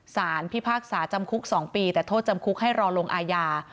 สารพิพากษาจำคุก๒ปีแต่โทษจำคุกให้รอลงอาญา